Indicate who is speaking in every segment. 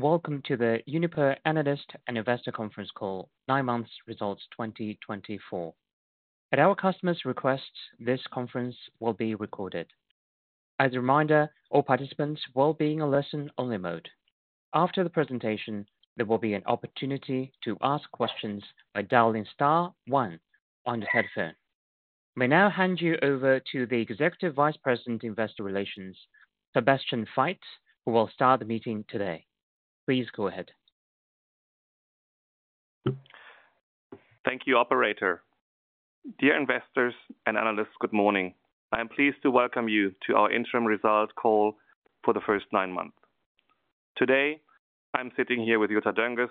Speaker 1: Welcome to the Uniper Analyst and Investor Conference Call, Nine Months Results 2024. At our customers' request, this conference will be recorded. As a reminder, all participants will be in a listen-only mode. After the presentation, there will be an opportunity to ask questions by dialing star one on your telephone. We now hand you over to the Executive Vice President, Investor Relations, Sebastian Veit, who will start the meeting today. Please go ahead.
Speaker 2: Thank you, Operator. Dear Investors and Analysts, good morning. I am pleased to welcome you to our interim results call for the first nine months. Today, I'm sitting here with Jutta Dönges,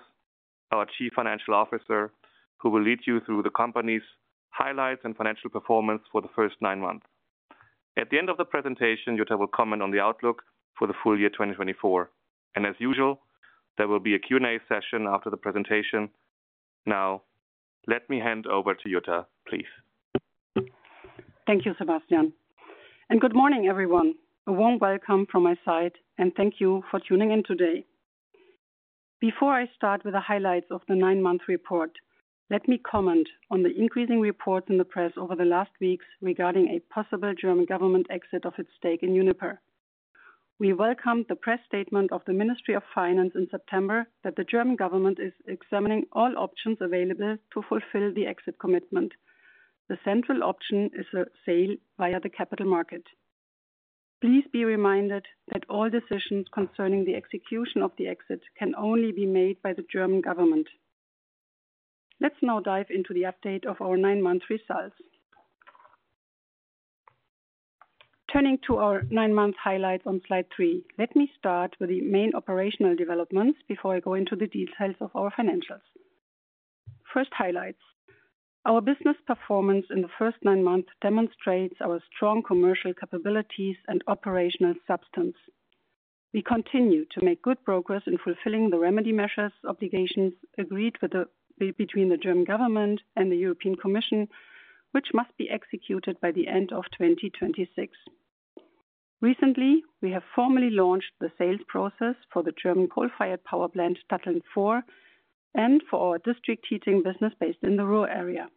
Speaker 2: our Chief Financial Officer, who will lead you through the company's highlights and financial performance for the first nine months. At the end of the presentation, Jutta will comment on the outlook for the full year 2024, and as usual, there will be a Q&A session after the presentation. Now, let me hand over to Jutta, please.
Speaker 3: Thank you, Sebastian, and good morning, everyone. A warm welcome from my side, and thank you for tuning in today. Before I start with the highlights of the nine-month report, let me comment on the increasing reports in the press over the last weeks regarding a possible German government exit of its stake in Uniper. We welcomed the press statement of the Ministry of Finance in September that the German government is examining all options available to fulfill the exit commitment. The central option is a sale via the capital market. Please be reminded that all decisions concerning the execution of the exit can only be made by the German government. Let's now dive into the update of our nine-month results. Turning to our nine-month highlights on slide three, let me start with the main operational developments before I go into the details of our financials. First, highlights. Our business performance in the first nine months demonstrates our strong commercial capabilities and operational substance. We continue to make good progress in fulfilling the remedy measures obligations agreed between the German government and the European Commission, which must be executed by the end of 2026. Recently, we have formally launched the sales process for the German coal-fired power plant, Datteln 4, and for our district heating business based in the Ruhr Area.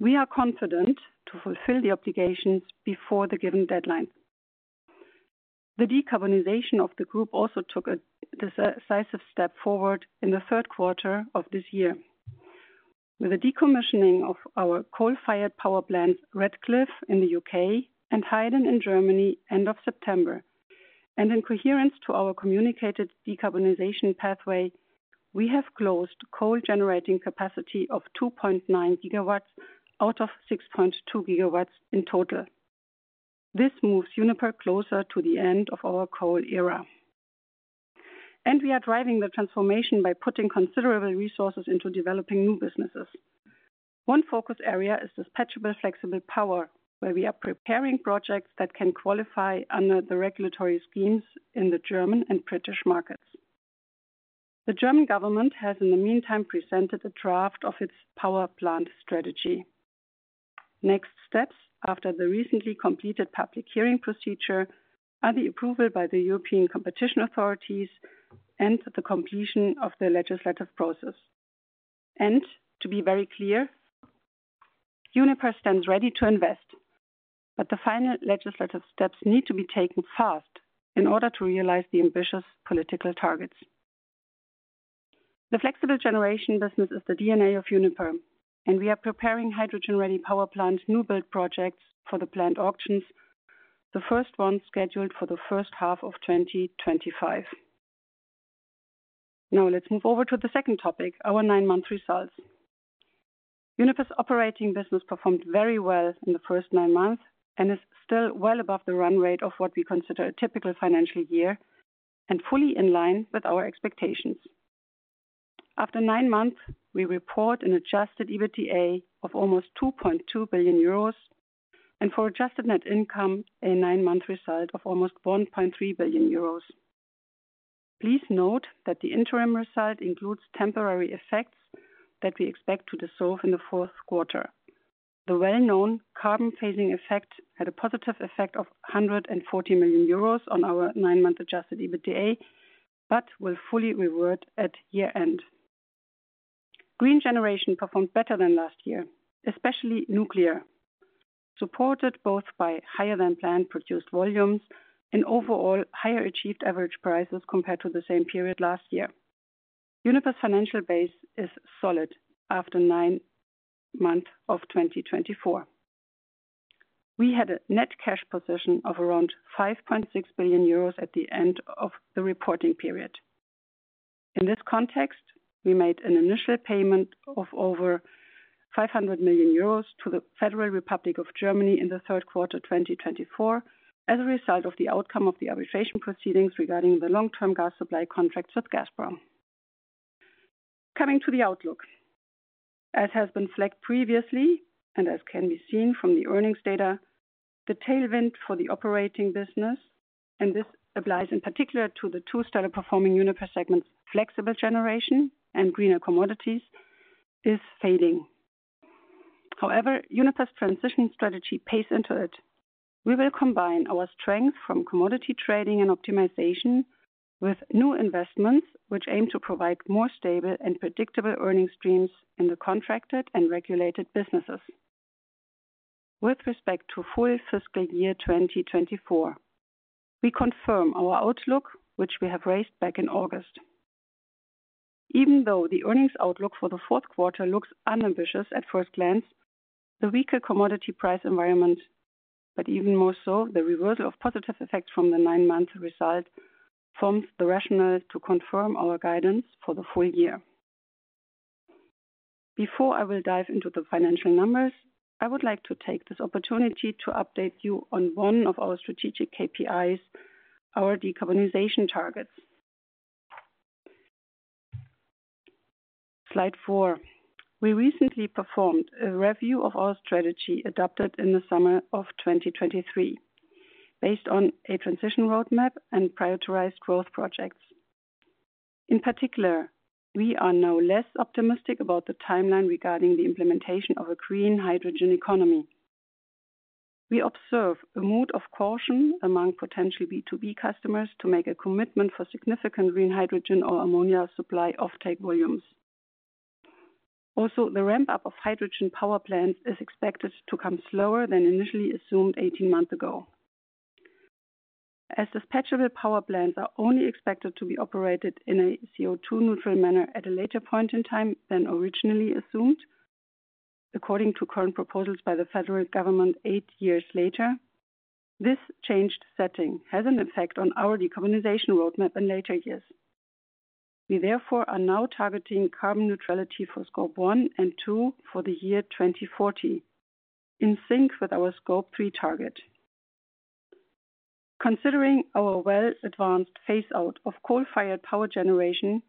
Speaker 3: We are confident to fulfill the obligations before the given deadlines. The decarbonization of the group also took a decisive step forward in the third quarter of this year, with the decommissioning of our coal-fired power plants, Ratcliffe-on-Soar in the U.K. and Heyden in Germany, end of September, in coherence to our communicated decarbonization pathway, we have closed coal-generating capacity of 2.9 gigawatts out of 6.2 gigawatts in total. This moves Uniper closer to the end of our coal era. We are driving the transformation by putting considerable resources into developing new businesses. One focus area is dispatchable flexible power, where we are preparing projects that can qualify under the regulatory schemes in the German and British markets. The German government has, in the meantime, presented a draft of its power plant strategy. Next steps after the recently completed public hearing procedure are the approval by the European Competition Authorities and the completion of the legislative process. To be very clear, Uniper stands ready to invest, but the final legislative steps need to be taken fast in order to realize the ambitious political targets. The flexible generation business is the DNA of Uniper, and we are preparing hydrogen-ready power plant new build projects for the plant auctions, the first ones scheduled for the first half of 2025. Now, let's move over to the second topic, our nine-month results. Uniper's operating business performed very well in the first nine months and is still well above the run rate of what we consider a typical financial year and fully in line with our expectations. After nine months, we report an Adjusted EBITDA of almost 2.2 billion euros and, for Adjusted Net Income, a nine-month result of almost 1.3 billion euros. Please note that the interim result includes temporary effects that we expect to dissolve in the fourth quarter. The well-known carbon phasing effect had a positive effect of 140 million euros on our nine-month Adjusted EBITDA but will fully revert at year-end. Green generation performed better than last year, especially nuclear, supported both by higher-than-planned produced volumes and overall higher achieved average prices compared to the same period last year. Uniper's financial base is solid after nine months of 2024. We had a net cash position of around 5.6 billion euros at the end of the reporting period. In this context, we made an initial payment of over 500 million euros to the Federal Republic of Germany in the third quarter 2024 as a result of the outcome of the arbitration proceedings regarding the long-term gas supply contracts with Gazprom. Coming to the outlook, as has been flagged previously and as can be seen from the earnings data, the tailwind for the operating business, and this applies in particular to the two strongest performing Uniper segments, flexible generation and greener commodities, is fading. However, Uniper's transition strategy plays into it. We will combine our strength from commodity trading and optimization with new investments, which aim to provide more stable and predictable earnings streams in the contracted and regulated businesses. With respect to full fiscal year 2024, we confirm our outlook, which we have raised back in August. Even though the earnings outlook for the fourth quarter looks unambitious at first glance, the weaker commodity price environment, but even more so the reversal of positive effects from the nine-month result, forms the rationale to confirm our guidance for the full year. Before I will dive into the financial numbers, I would like to take this opportunity to update you on one of our strategic KPIs, our decarbonization targets. Slide four. We recently performed a review of our strategy adopted in the summer of 2023, based on a transition roadmap and prioritized growth projects. In particular, we are now less optimistic about the timeline regarding the implementation of a green hydrogen economy. We observe a mood of caution among potential B2B customers to make a commitment for significant green hydrogen or ammonia supply off-take volumes. Also, the ramp-up of hydrogen power plants is expected to come slower than initially assumed 18 months ago. As dispatchable power plants are only expected to be operated in a CO2-neutral manner at a later point in time than originally assumed, according to current proposals by the federal government eight years later, this changed setting has an effect on our decarbonization roadmap in later years. We therefore are now targeting carbon neutrality for Scope 1 and 2 for the year 2040, in sync with our Scope 3 target. Considering our well-advanced phase-out of coal-fired power generation,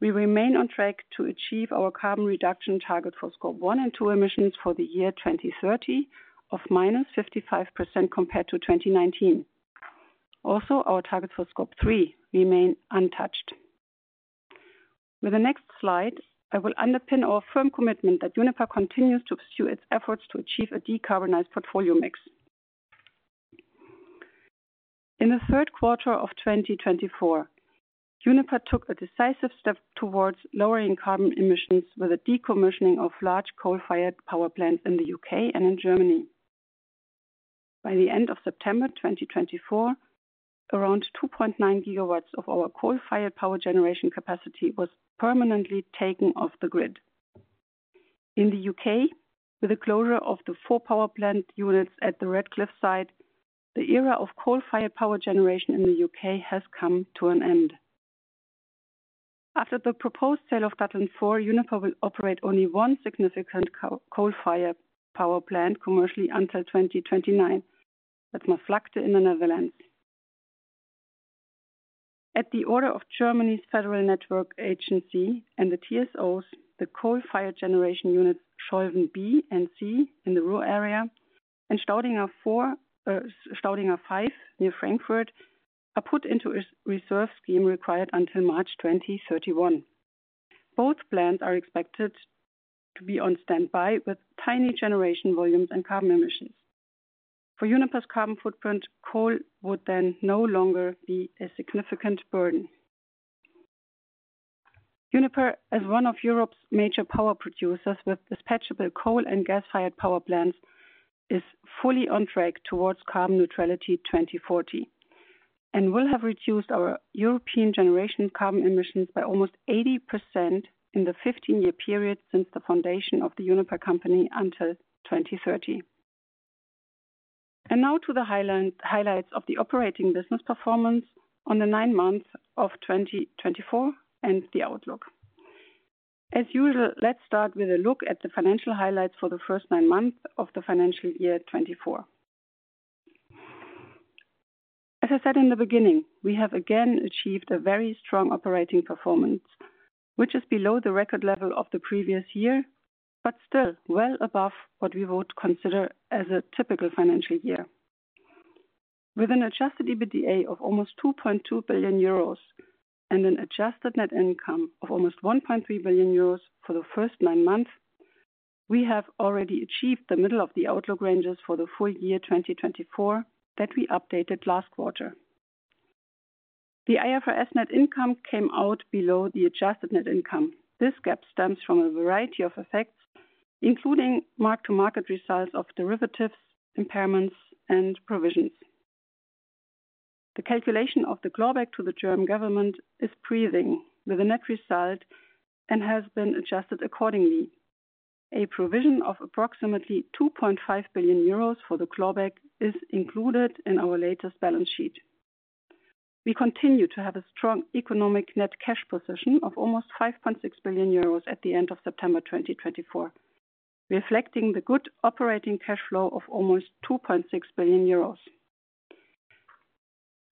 Speaker 3: we remain on track to achieve our carbon reduction target for Scope 1 and 2 emissions for the year 2030 of minus 55% compared to 2019. Also, our targets for Scope 3 remain untouched. With the next slide, I will underpin our firm commitment that Uniper continues to pursue its efforts to achieve a decarbonized portfolio mix. In the third quarter of 2024, Uniper took a decisive step towards lowering carbon emissions with the decommissioning of large coal-fired power plants in the U.K. and in Germany. By the end of September 2024, around 2.9 gigawatts of our coal-fired power generation capacity was permanently taken off the grid. In the U.K., with the closure of the four power plant units at the Ratcliffe site, the era of coal-fired power generation in the U.K. has come to an end. After the proposed sale of Datteln 4, Uniper will operate only one significant coal-fired power plant commercially until 2029. That's Maasvlakte in the Netherlands. At the order of Germany's Federal Network Agency and the TSOs, the coal-fired generation units Scholven B and C in the Ruhr Area and Staudinger 5 near Frankfurt are put into a reserve scheme required until March 2031. Both plants are expected to be on standby with tiny generation volumes and carbon emissions. For Uniper's carbon footprint, coal would then no longer be a significant burden. Uniper, as one of Europe's major power producers with dispatchable coal and gas-fired power plants, is fully on track towards carbon neutrality 2040 and will have reduced our European generation carbon emissions by almost 80% in the 15-year period since the foundation of the Uniper company until 2030. And now to the highlights of the operating business performance on the nine months of 2024 and the outlook. As usual, let's start with a look at the financial highlights for the first nine months of the financial year 2024. As I said in the beginning, we have again achieved a very strong operating performance, which is below the record level of the previous year, but still well above what we would consider as a typical financial year. With an adjusted EBITDA of almost 2.2 billion euros and an adjusted net income of almost 1.3 billion euros for the first nine months, we have already achieved the middle of the outlook ranges for the full year 2024 that we updated last quarter. The IFRS net income came out below the adjusted net income. This gap stems from a variety of effects, including mark-to-market results of derivatives, impairments, and provisions. The calculation of the clawback to the German government is varying with the net result and has been adjusted accordingly. A provision of approximately 2.5 billion euros for the clawback is included in our latest balance sheet. We continue to have a strong economic net cash position of almost 5.6 billion euros at the end of September 2024, reflecting the good operating cash flow of almost 2.6 billion euros.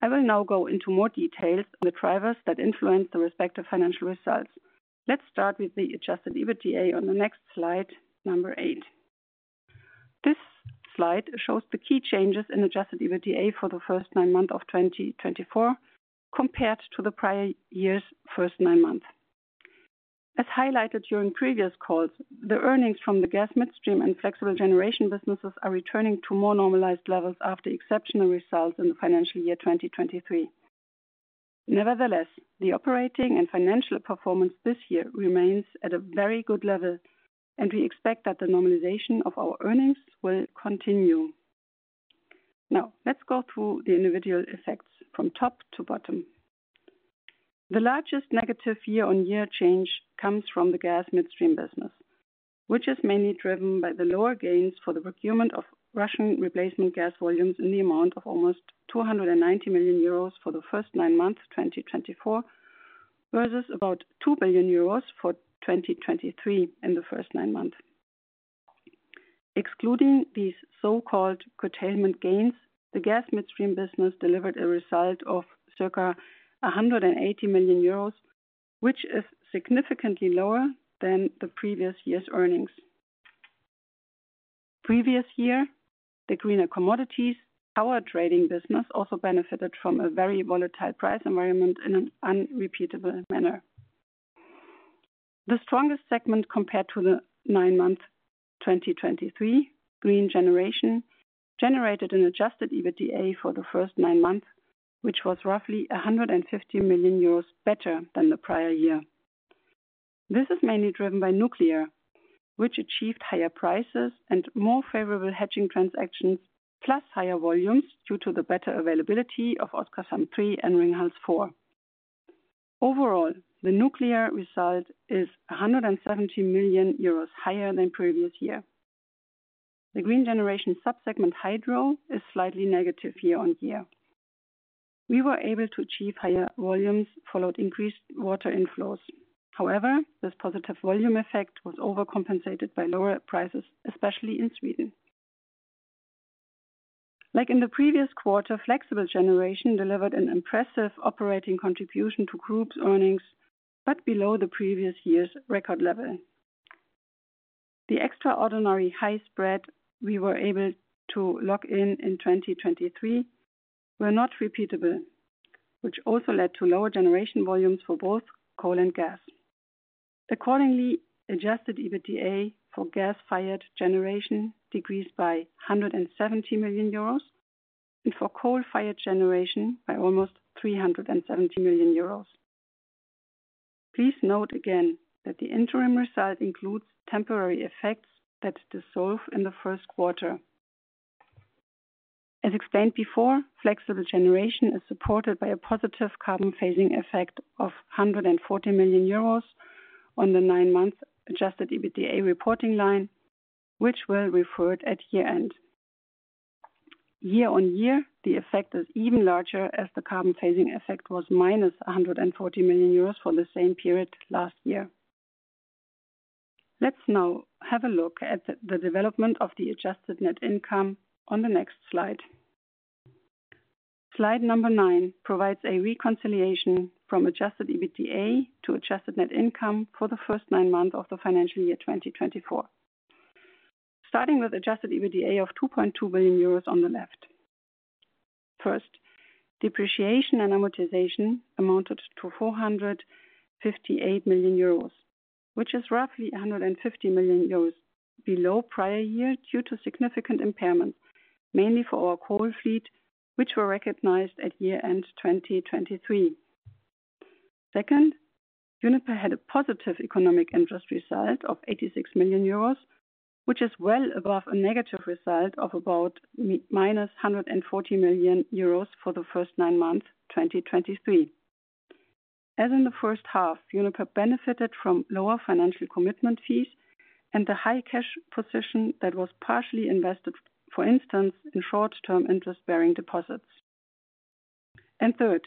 Speaker 3: I will now go into more details on the drivers that influence the respective financial results. Let's start with the adjusted EBITDA on the next slide, number eight. This slide shows the key changes in adjusted EBITDA for the first nine months of 2024 compared to the prior year's first nine months. As highlighted during previous calls, the earnings from the gas midstream and flexible generation businesses are returning to more normalized levels after exceptional results in the financial year 2023. Nevertheless, the operating and financial performance this year remains at a very good level, and we expect that the normalization of our earnings will continue. Now, let's go through the individual effects from top to bottom. The largest negative year-on-year change comes from the gas midstream business, which is mainly driven by the lower gains for the procurement of Russian replacement gas volumes in the amount of almost 290 million euros for the first nine months 2024 versus about 2 billion euros for 2023 in the first nine months. Excluding these so-called curtailment gains, the gas midstream business delivered a result of circa 180 million euros, which is significantly lower than the previous year's earnings. Previous year, the greener commodities power trading business also benefited from a very volatile price environment in an unrepeatable manner. The strongest segment compared to the nine-month 2023 green generation generated an Adjusted EBITDA for the first nine months, which was roughly 150 million euros better than the prior year. This is mainly driven by nuclear, which achieved higher prices and more favorable hedging transactions, plus higher volumes due to the better availability of Oskarshamn 3 and Ringhals 4. Overall, the nuclear result is 170 million euros higher than previous year. The green generation subsegment hydro is slightly negative year-on-year. We were able to achieve higher volumes followed by increased water inflows. However, this positive volume effect was overcompensated by lower prices, especially in Sweden. Like in the previous quarter, flexible generation delivered an impressive operating contribution to groups' earnings, but below the previous year's record level. The extraordinary high spread we were able to lock in in 2023 were not repeatable, which also led to lower generation volumes for both coal and gas. Accordingly, Adjusted EBITDA for gas-fired generation decreased by 170 million euros and for coal-fired generation by almost 370 million euros. Please note again that the interim result includes temporary effects that dissolve in the first quarter. As explained before, flexible generation is supported by a positive Carbon phasing effect of 140 million euros on the nine-month Adjusted EBITDA reporting line, which will be referred at year-end. Year-on-year, the effect is even larger as the Carbon phasing effect was minus 140 million euros for the same period last year. Let's now have a look at the development of the Adjusted Net Income on the next slide. Slide number nine provides a reconciliation from adjusted EBITDA to adjusted net income for the first nine months of the financial year 2024, starting with adjusted EBITDA of 2.2 billion euros on the left. First, depreciation and amortization amounted to 458 million euros, which is roughly 150 million euros below prior year due to significant impairments, mainly for our coal fleet, which were recognized at year-end 2023. Second, Uniper had a positive economic interest result of 86 million euros, which is well above a negative result of about minus 140 million euros for the first nine months 2023. As in the first half, Uniper benefited from lower financial commitment fees and the high cash position that was partially invested, for instance, in short-term interest-bearing deposits. Third,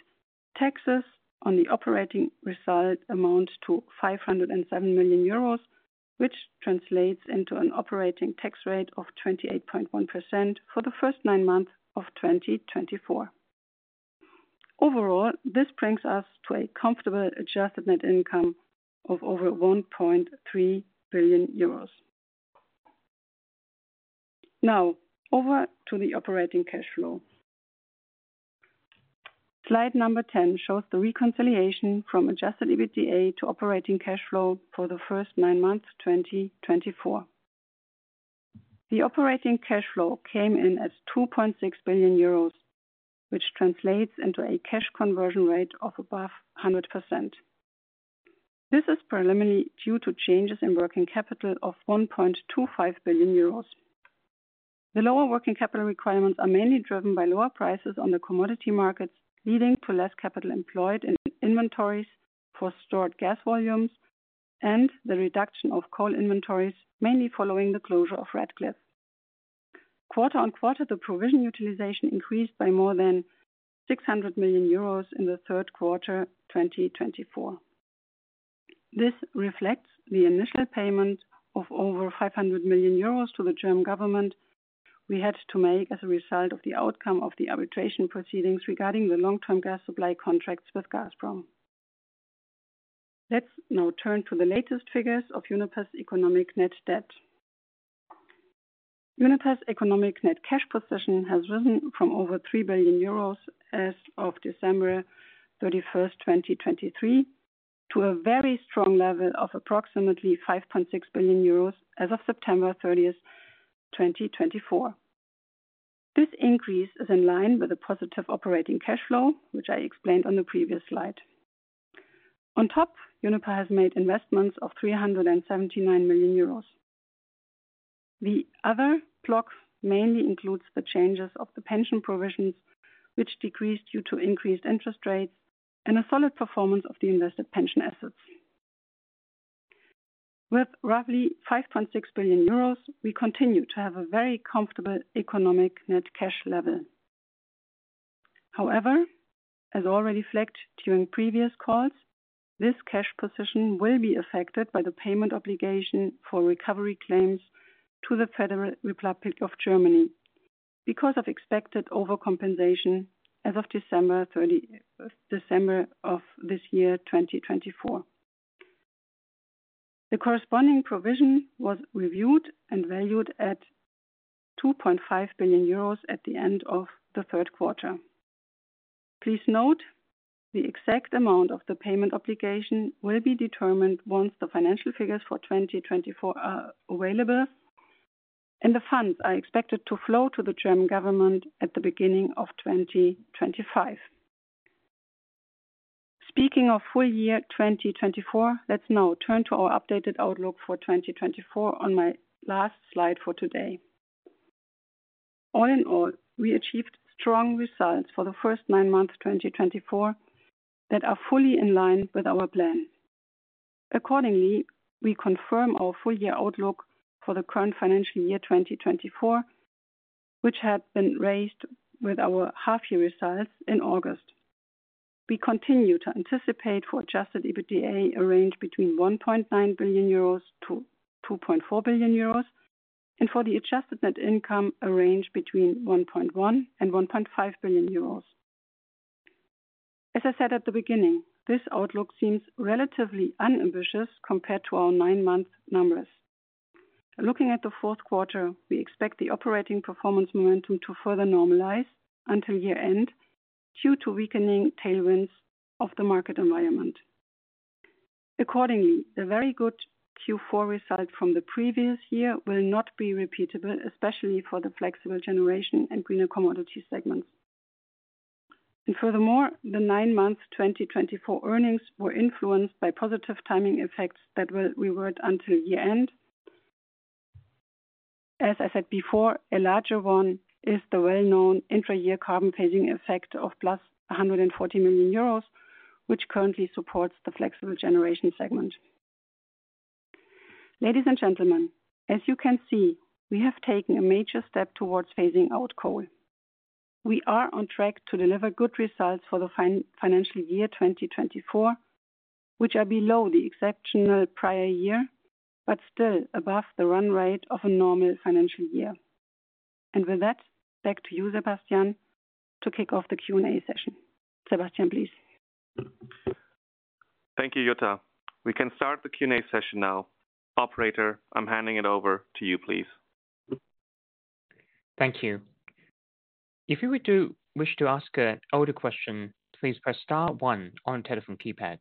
Speaker 3: taxes on the operating result amount to 507 million euros, which translates into an operating tax rate of 28.1% for the first nine months of 2024. Overall, this brings us to a comfortable Adjusted Net Income of over 1.3 billion EUR. Now, over to the operating cash flow. Slide number 10 shows the reconciliation from Adjusted EBITDA to operating cash flow for the first nine months 2024. The operating cash flow came in at 2.6 billion euros, which translates into a cash conversion rate of above 100%. This is preliminary due to changes in working capital of 1.25 billion euros. The lower working capital requirements are mainly driven by lower prices on the commodity markets, leading to less capital employed in inventories for stored gas volumes and the reduction of coal inventories, mainly following the closure of Ratcliffe. Quarter on quarter, the provision utilization increased by more than 600 million euros in the third quarter 2024. This reflects the initial payment of over 500 million euros to the German government we had to make as a result of the outcome of the arbitration proceedings regarding the long-term gas supply contracts with Gazprom. Let's now turn to the latest figures of Uniper's economic net debt. Uniper's economic net cash position has risen from over 3 billion euros as of December 31, 2023, to a very strong level of approximately 5.6 billion euros as of September 30, 2024. This increase is in line with the positive operating cash flow, which I explained on the previous slide. On top, Uniper has made investments of 379 million euros. The other block mainly includes the changes of the pension provisions, which decreased due to increased interest rates and a solid performance of the invested pension assets. With roughly 5.6 billion euros, we continue to have a very comfortable economic net cash level. However, as already flagged during previous calls, this cash position will be affected by the payment obligation for recovery claims to the Federal Republic of Germany because of expected overcompensation as of December 30 of this year, 2024. The corresponding provision was reviewed and valued at 2.5 billion euros at the end of the third quarter. Please note the exact amount of the payment obligation will be determined once the financial figures for 2024 are available and the funds are expected to flow to the German government at the beginning of 2025. Speaking of full year 2024, let's now turn to our updated outlook for 2024 on my last slide for today. All in all, we achieved strong results for the first nine months 2024 that are fully in line with our plan. Accordingly, we confirm our full year outlook for the current financial year 2024, which had been raised with our half-year results in August. We continue to anticipate for Adjusted EBITDA a range between 1.9 billion euros to 2.4 billion euros and for the Adjusted Net Income a range between 1.1 billion and 1.5 billion euros. As I said at the beginning, this outlook seems relatively unambiguous compared to our nine-month numbers. Looking at the fourth quarter, we expect the operating performance momentum to further normalize until year-end due to weakening tailwinds of the market environment. Accordingly, the very good Q4 result from the previous year will not be repeatable, especially for the flexible generation and greener commodity segments. And furthermore, the nine-month 2024 earnings were influenced by positive timing effects that will revert until year-end. As I said before, a larger one is the well-known intra-year carbon phasing effect of plus 140 million euros, which currently supports the flexible generation segment. Ladies and gentlemen, as you can see, we have taken a major step towards phasing out coal. We are on track to deliver good results for the financial year 2024, which are below the exceptional prior year, but still above the run rate of a normal financial year. And with that, back to you, Sebastian, to kick off the Q&A session. Sebastian, please.
Speaker 2: Thank you, Jutta. We can start the Q&A session now. Operator, I'm handing it over to you, please. Thank you.
Speaker 1: If you would wish to ask an audio question, please press Star 1 on the telephone keypad.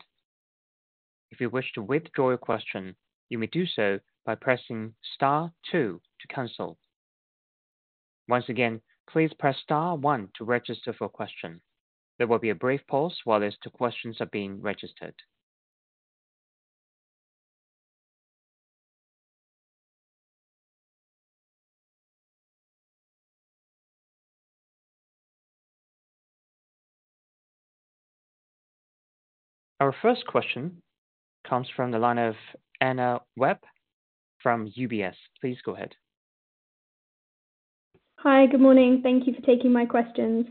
Speaker 1: If you wish to withdraw your question, you may do so by pressing Star 2 to cancel. Once again, please press Star 1 to register for a question. There will be a brief pause while these two questions are being registered. Our first question comes from the line of Anna Webb from UBS. Please go ahead.
Speaker 4: Hi, good morning. Thank you for taking my questions.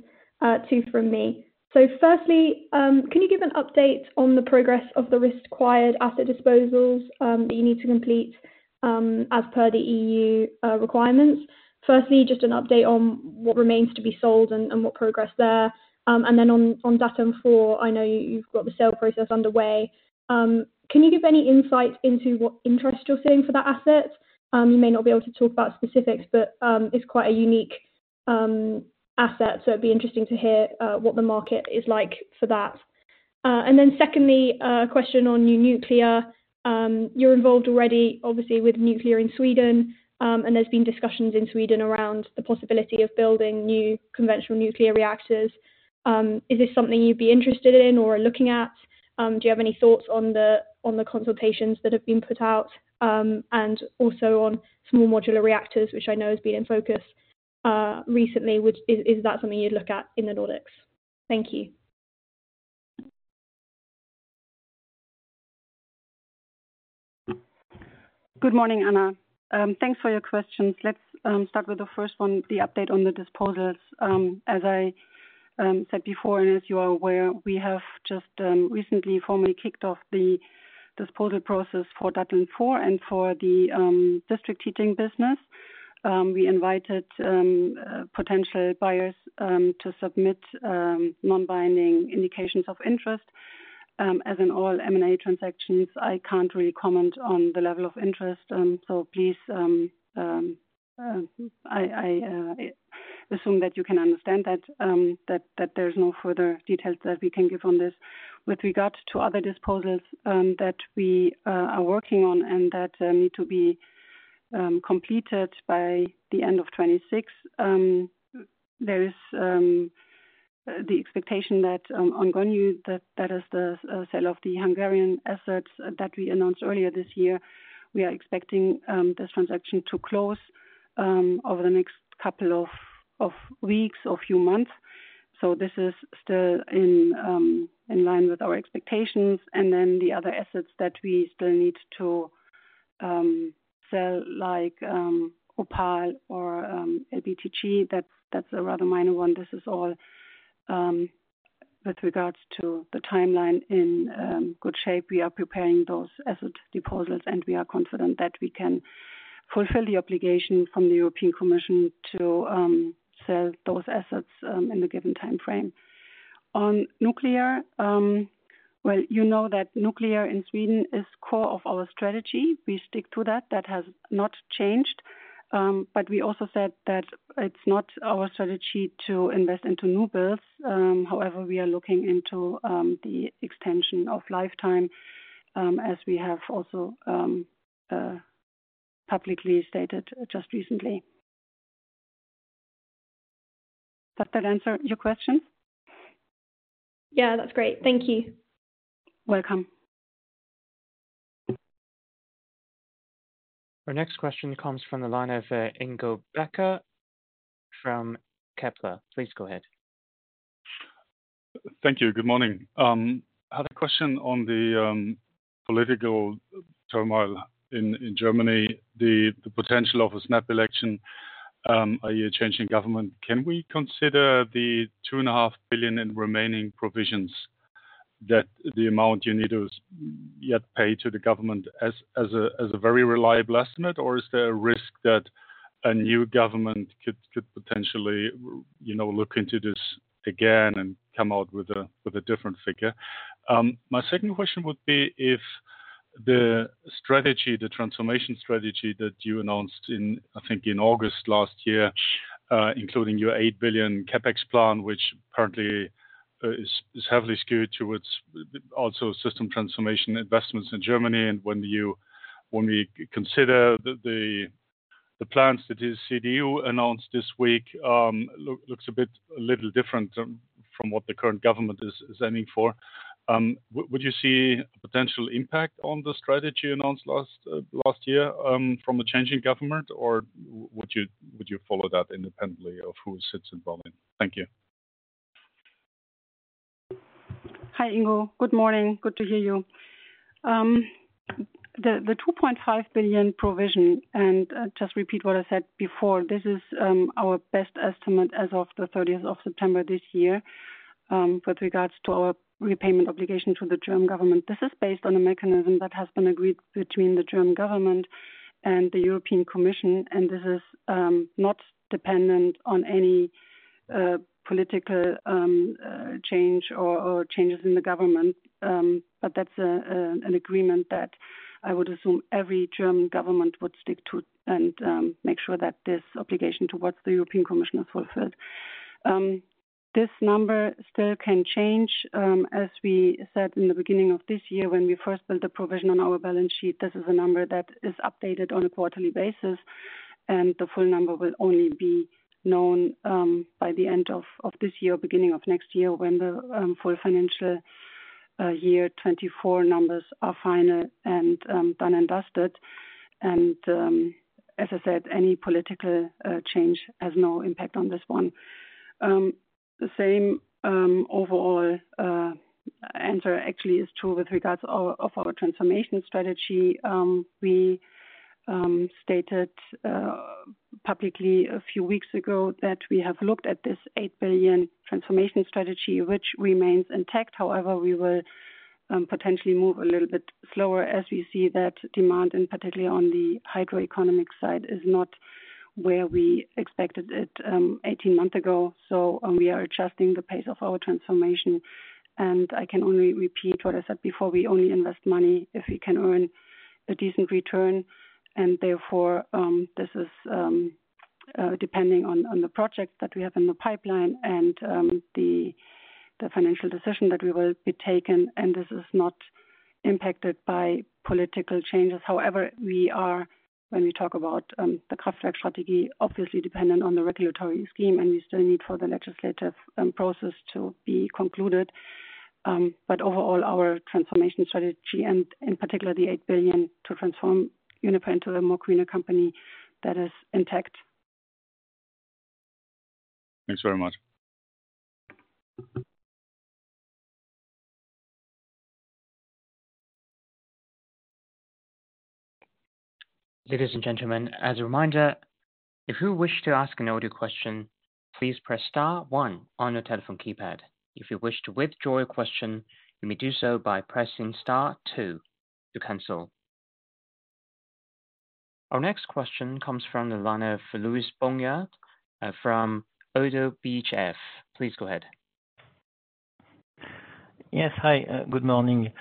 Speaker 4: Two from me. So firstly, can you give an update on the progress of the required asset disposals that you need to complete as per the EU requirements? Firstly, just an update on what remains to be sold and what progress there. And then on Datteln 4, I know you've got the sale process underway. Can you give any insight into what interest you're seeing for that asset? You may not be able to talk about specifics, but it's quite a unique asset, so it'd be interesting to hear what the market is like for that. And then secondly, a question on new nuclear. You're involved already, obviously, with nuclear in Sweden, and there's been discussions in Sweden around the possibility of building new conventional nuclear reactors. Is this something you'd be interested in or looking at? Do you have any thoughts on the consultations that have been put out and also on small modular reactors, which I know has been in focus recently? Is that something you'd look at in the Nordics? Thank you.
Speaker 3: Good morning, Anna. Thanks for your questions. Let's start with the first one, the update on the disposals. As I said before, and as you are aware, we have just recently formally kicked off the disposal process for Datteln 4 and for the district heating business. We invited potential buyers to submit non-binding indications of interest. As in all M&A transactions, I can't really comment on the level of interest, so please, I assume that you can understand that there's no further details that we can give on this. With regard to other disposals that we are working on and that need to be completed by the end of 2026, there is the expectation that ongoing news, that is the sale of the Hungarian assets that we announced earlier this year. We are expecting this transaction to close over the next couple of weeks or few months, so this is still in line with our expectations. And then the other assets that we still need to sell, like OPAL or LBTG, that's a rather minor one. This is all with regards to the timeline in good shape. We are preparing those asset disposals, and we are confident that we can fulfill the obligation from the European Commission to sell those assets in the given timeframe. On nuclear, well, you know that nuclear in Sweden is core of our strategy. We stick to that. That has not changed. But we also said that it's not our strategy to invest into new builds. However, we are looking into the extension of lifetime as we have also publicly stated just recently. Does that answer your question? Yeah, that's great. Thank you. Welcome.
Speaker 1: Our next question comes from the line of Ingo Becker from Kepler. Please go ahead.
Speaker 5: Thank you. Good morning. I had a question on the political turmoil in Germany, the potential of a snap election, a year-changing government. Can we consider the 2.5 billion in remaining provisions that the amount you need to yet pay to the government as a very reliable estimate, or is there a risk that a new government could potentially look into this again and come out with a different figure? My second question would be if the strategy, the transformation strategy that you announced in, I think, in August last year, including your 8 billion CapEx plan, which apparently is heavily skewed towards also system transformation investments in Germany. And when we consider the plans that the CDU announced this week, looks a little different from what the current government is aiming for. Would you see a potential impact on the strategy announced last year from a changing government, or would you follow that independently of who's involved in? Thank you.
Speaker 3: Hi, Ingo. Good morning. Good to hear you. The 2.5 billion provision, and just repeat what I said before, this is our best estimate as of the 30th of September this year with regards to our repayment obligation to the German government. This is based on a mechanism that has been agreed between the German government and the European Commission, and this is not dependent on any political change or changes in the government. But that's an agreement that I would assume every German government would stick to and make sure that this obligation towards the European Commission is fulfilled. This number still can change. As we said in the beginning of this year, when we first built the provision on our balance sheet, this is a number that is updated on a quarterly basis, and the full number will only be known by the end of this year or beginning of next year when the full financial year 2024 numbers are final and done and dusted. And as I said, any political change has no impact on this one. The same overall answer actually is true with regards to our transformation strategy. We stated publicly a few weeks ago that we have looked at this 8 billion transformation strategy, which remains intact. However, we will potentially move a little bit slower as we see that demand, and particularly on the hydroeconomic side, is not where we expected it 18 months ago. So we are adjusting the pace of our transformation. And I can only repeat what I said before. We only invest money if we can earn a decent return. And therefore, this is depending on the projects that we have in the pipeline and the financial decision that we will be taken. And this is not impacted by political changes. However, we are, when we talk about the Kraftwerk strategy, obviously dependent on the regulatory scheme, and we still need for the legislative process to be concluded. But overall, our transformation strategy, and in particular, the 8 billion to transform Uniper into a more greener company that is intact.
Speaker 5: Thanks very much.
Speaker 1: Ladies and gentlemen, as a reminder, if you wish to ask an audio question, please press Star one on your telephone keypad. If you wish to withdraw your question, you may do so by pressing Star two to cancel. Our next question comes from the line of Louis Boujard from Oddo BHF. Please go ahead.
Speaker 6: Yes, hi. Good morning.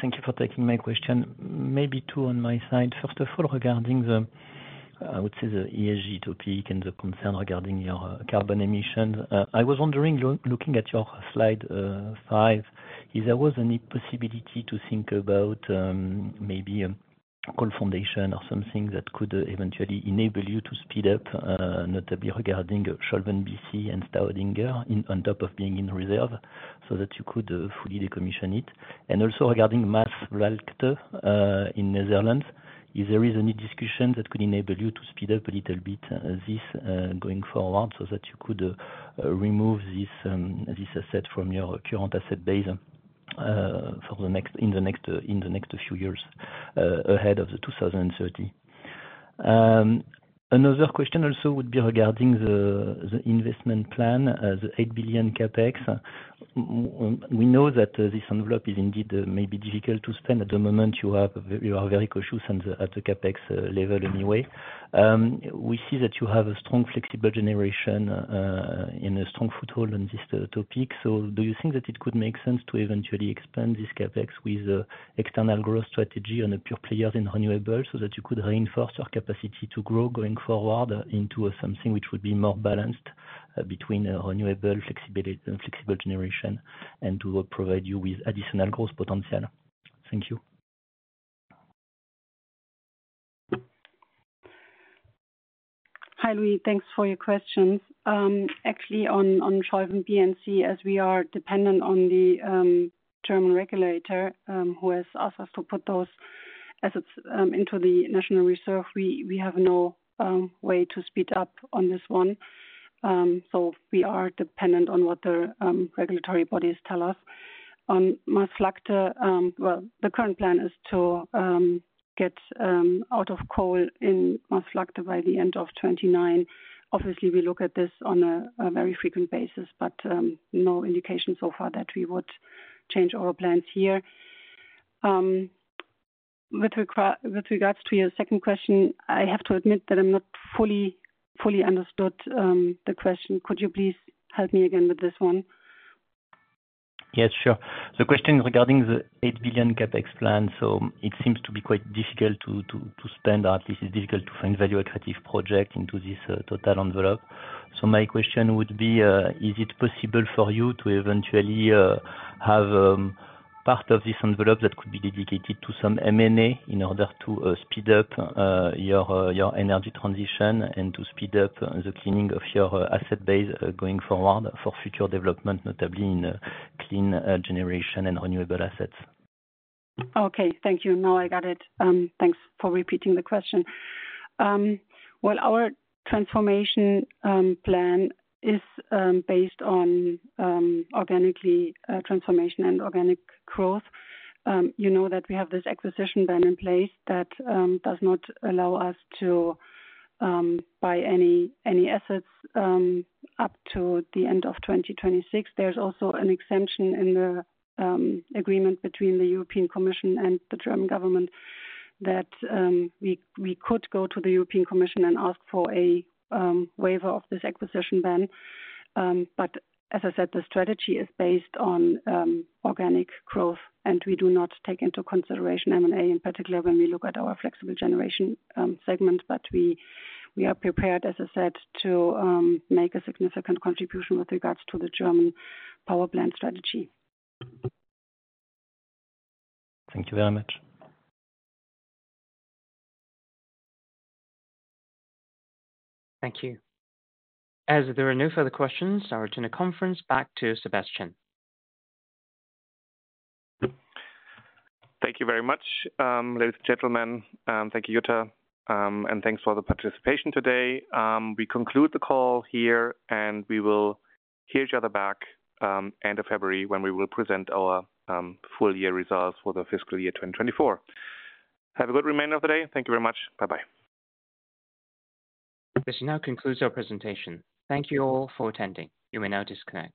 Speaker 6: Thank you for taking my question. Maybe two on my side. First of all, regarding the, I would say, the ESG topic and the concern regarding your carbon emissions. I was wondering, looking at your slide five, is there was a possibility to think about maybe a coal foundation or something that could eventually enable you to speed up, notably regarding Scholven BC and Staudinger on top of being in reserve so that you could fully decommission it? And also regarding Maasvlakte in Netherlands, is there any discussion that could enable you to speed up a little bit this going forward so that you could remove this asset from your current asset base in the next few years ahead of 2030? Another question also would be regarding the investment plan, the 8 billion CapEx. We know that this envelope is indeed maybe difficult to spend at the moment. You are very cautious at the CapEx level anyway. We see that you have a strong flexible generation and a strong foothold on this topic. So do you think that it could make sense to eventually expand this CapEx with external growth strategy on the pure players in renewables so that you could reinforce your capacity to grow going forward into something which would be more balanced between renewable flexible generation and to provide you with additional growth potential? Thank you.
Speaker 3: Hi, Louis. Thanks for your questions. Actually, on Scholven B and C, as we are dependent on the German regulator who has asked us to put those assets into the national reserve, we have no way to speed up on this one. So we are dependent on what the regulatory bodies tell us. On Maasvlakte, well, the current plan is to get out of coal in Maasvlakte by the end of 2029. Obviously, we look at this on a very frequent basis, but no indication so far that we would change our plans here. With regards to your second question, I have to admit that I'm not fully understood the question. Could you please help me again with this one?
Speaker 6: Yes, sure. The question is regarding the 8 billion CapEx plan. So it seems to be quite difficult to spend, or at least it's difficult to find value-attractive projects into this total envelope. So my question would be, is it possible for you to eventually have part of this envelope that could be dedicated to some M&A in order to speed up your energy transition and to speed up the cleaning of your asset base going forward for future development, notably in clean generation and renewable assets?
Speaker 3: Okay. Thank you. Now I got it. Thanks for repeating the question. Well, our transformation plan is based on organically transformation and organic growth. You know that we have this acquisition ban in place that does not allow us to buy any assets up to the end of 2026. There's also an exemption in the agreement between the European Commission and the German government that we could go to the European Commission and ask for a waiver of this acquisition ban. But as I said, the strategy is based on organic growth, and we do not take into consideration M&A, in particular when we look at our flexible generation segment. But we are prepared, as I said, to make a significant contribution with regards to the German power plant strategy. Thank you very much.
Speaker 6: Thank you.
Speaker 1: As there are no further questions, I'll return the conference back to Sebastian.
Speaker 2: Thank you very much, ladies and gentlemen. Thank you, Jutta, and thanks for the participation today. We conclude the call here, and we will hear each other back at the end of February when we will present our full year results for the fiscal year 2024. Have a good remainder of the day. Thank you very much. Bye-bye.
Speaker 1: This now concludes our presentation. Thank you all for attending. You may now disconnect.